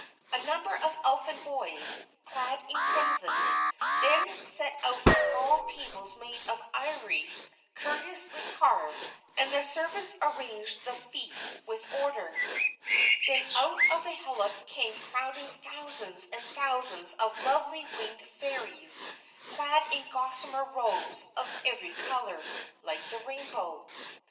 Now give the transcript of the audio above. A number of Elfin boys, clad in crimson, then set out small tables made of ivory curiously carved, and the servants arranged the feast with order. Then out of the hillock came crowding thousands and thousands of lovely winged Fairies clad in gossamer robes of every colour, like the rainbow.